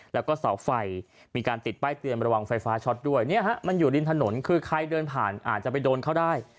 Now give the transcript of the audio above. แล้วก็เสาไฟมีการติดป้ายเตือนระวังไฟฟ้าช็อตด้วยเนี่ยฮะมันอยู่ริมถนนคือใครเดินผ่านอาจจะไปโดนเขาได้